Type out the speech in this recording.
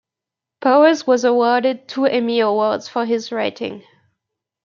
Powers was awarded two Emmy Awards for his writing.